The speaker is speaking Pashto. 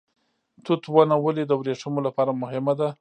توت ونه ولې د وریښمو لپاره مهمه ده؟